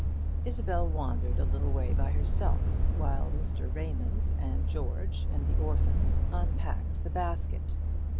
Isabel wandered a little way by herself, while Mr. Raymond and George and the orphans unpacked the basket.